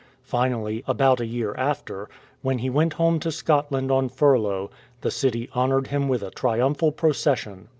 Finally, about a year after, when he went home to Scotland on furlough, the city honoured him with a triumphal procession.